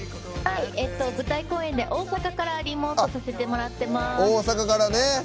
舞台公演で大阪からリモートさせてもらってます。